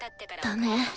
ダメ。